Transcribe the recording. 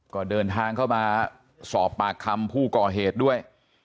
ก็เดินทางเข้ามาสอบปากคำผู้ก่อเหตุด้วย